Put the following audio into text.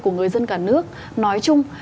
của người dân cả nước nói chung